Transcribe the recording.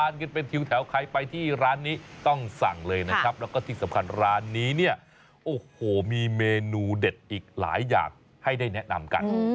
แล้วก็ที่สำคัญในนี้เนี่ยมีเมนูเด็ดอีกหลายอย่างให้ได้แนะนำกัน